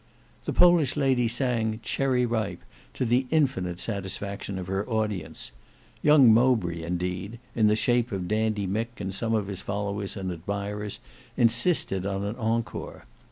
The Polish lady sang "Cherry Ripe" to the infinite satisfaction of her audience. Young Mowbray indeed, in the shape of Dandy Mick and some of his followers and admirers, insisted on an encore.